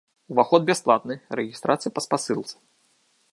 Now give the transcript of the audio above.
Уваход бясплатны, рэгістрацыя па спасылцы.